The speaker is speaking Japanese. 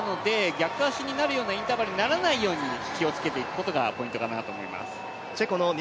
なので逆足になるようなインターバルにならないように気をつけていくことがポイントかなと思います。